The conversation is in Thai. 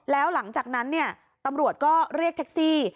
แล้วหลังจากนั้นตำรวจก็เรียกแท็กซี่